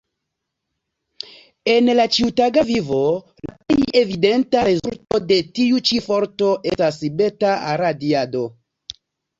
En la ĉiutaga vivo, la plej evidenta rezulto de tiu ĉi forto estas beta-radiado.